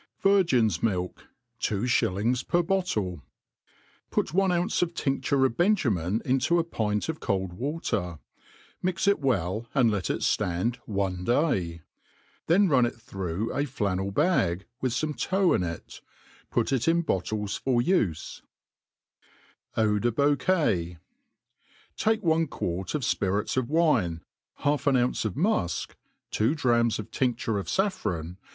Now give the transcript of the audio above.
Virgin's ATtlL^Two Shillings per Bottle. PUT one ounce of tindure of benjamin into a pint of cold water: mix, it well, and let it ftand one day; then run it* through a flannel bag with fome tow in it ; put it in bottles for ufe* D d 2 Eau 404 REQEIPTS FOR PREFUM^^V* 4tA TAKE one quart of tpitiu of win^, half an ounce of muik, two drachcD3 of tioStaie of faffroo